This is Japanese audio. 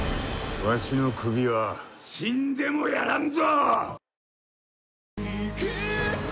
わしの首は死んでもやらんぞ！